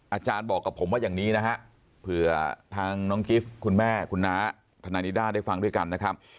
อาจารย์บอกกับผมว่าอย่างนี้นะฮะเผื่อทางน้องกิฟต์คุณแม่คุณน้าทนายนิด้าได้ฟังด้วยกันนะครับ